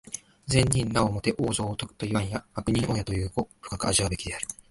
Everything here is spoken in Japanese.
善人なおもて往生をとぐ、いわんや悪人をやという語、深く味わうべきである。